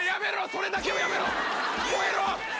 それだけはやめろこえろ！